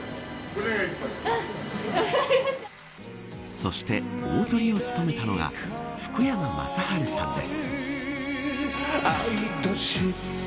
そして、大トリを務めたのが福山雅治さんです。